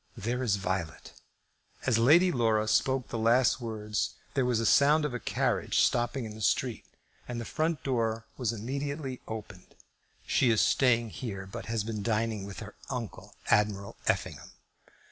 There is Violet." As Lady Laura spoke the last words, there was a sound of a carriage stopping in the street, and the front door was immediately opened. "She is staying here, but has been dining with her uncle, Admiral Effingham."